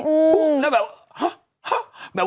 อื้อแล้วแบบฮะ